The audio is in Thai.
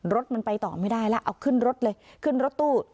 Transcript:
รถมันไปต่อไม่ได้แล้วเอาขึ้นรถเลยขึ้นรถตู้